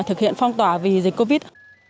thực hiện phong tỏa vì dịch covid